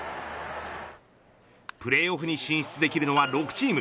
プレーオフに進出できるのは６チーム。